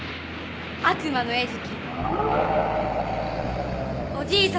「悪魔の餌食」。